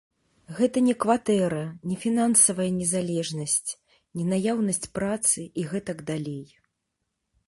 Гэта не кватэра, не фінансавая незалежнасць, не наяўнасць працы і гэтак далей.